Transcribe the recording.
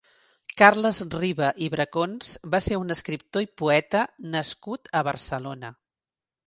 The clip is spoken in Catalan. Carles Riba i Bracons va ser un escriptor i poeta nascut a Barcelona.